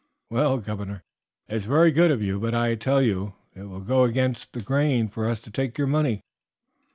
"Well, governor, it is very good of you; but I tell you it will go against the grain for us to take your money."